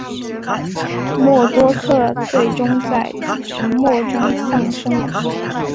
默多克最终在沉没中丧生。